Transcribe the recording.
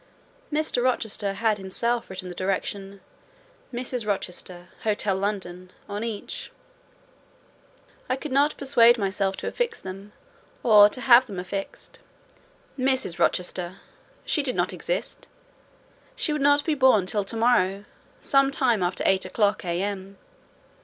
Mr. Rochester had himself written the direction, "Mrs. Rochester, —— Hotel, London," on each: I could not persuade myself to affix them, or to have them affixed. Mrs. Rochester! She did not exist: she would not be born till to morrow, some time after eight o'clock A.M.